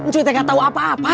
cukai tak tahu apa apa